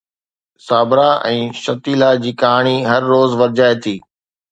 Sabira ۽ Shatila جي ڪهاڻي هر روز ورجائي ٿي.